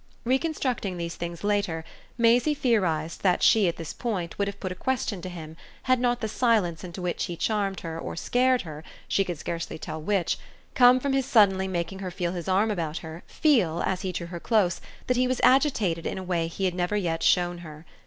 Reconstructing these things later Maisie theorised that she at this point would have put a question to him had not the silence into which he charmed her or scared her she could scarcely tell which come from his suddenly making her feel his arm about her, feel, as he drew her close, that he was agitated in a way he had never yet shown her.